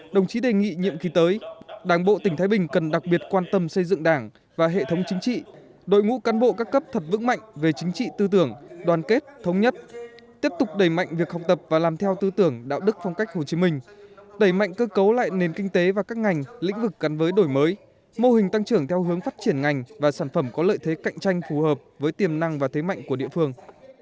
đồng chí đề nghị nhiệm ký tới đảng bộ tỉnh thái bình cần đặc biệt quan tâm xây dựng đảng và hệ thống chính trị đội ngũ cán bộ các cấp thật vững mạnh về chính trị tư tưởng đoàn kết thống nhất tiếp tục đẩy mạnh việc học tập và làm theo tư tưởng đạo đức phong cách hồ chí minh đẩy mạnh cơ cấu lại nền kinh tế và các ngành lĩnh vực gắn với đổi mới mô hình tăng trưởng theo hướng phát triển ngành và sản phẩm có lợi thế cạnh tranh phù hợp với tiềm năng và thế mạnh của địa phương